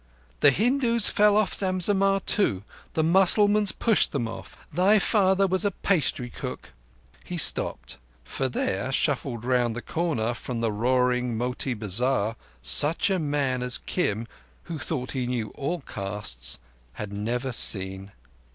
"The Hindus fell off Zam Zammah too. The Mussalmans pushed them off. Thy father was a pastry cook—" He stopped; for there shuffled round the corner, from the roaring Motee Bazar, such a man as Kim, who thought he knew all castes, had never seen.